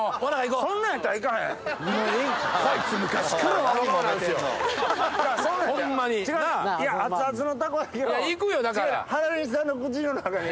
そんなんやったら行かへん。